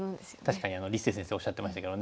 確かに立誠先生おっしゃってましたけどね。